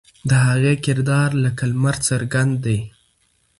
د هغې کردار لکه لمر څرګند دی.